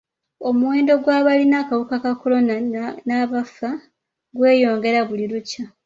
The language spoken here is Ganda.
Omuwendo gw'abalina akawuka ka kolona n'abafa gweyongera buli lukya.